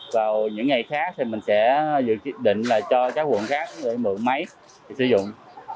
vào những ngày khác thì mình sẽ dự định là cho các quận khác để mượn máy để sử dụng